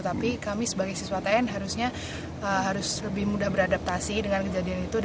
tapi kami sebagai siswa tn harusnya harus lebih mudah beradaptasi dengan kejadian itu